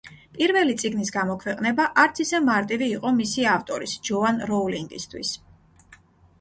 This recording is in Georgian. პირველი წიგნის გამოქვეყნება არც ისე მარტივი იყო მისი ავტორის, ჯოან როულინგისთვის.